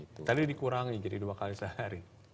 tadi dikurangi jadi dua kali sehari